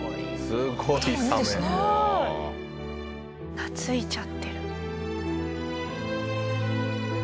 懐いちゃってる。